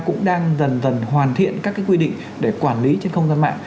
cũng đang dần dần hoàn thiện các quy định để quản lý trên không gian mạng